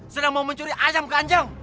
sedang mau mencuri ayam kanjeng